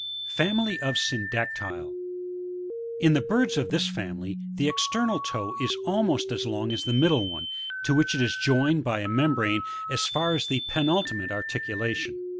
FAMILY OF SYNDACTYL.E. 9. In the birds of this family, the external toe is almost as k>ng as the middle one, to which it is joined by a membrane as far as the penultimate articulation.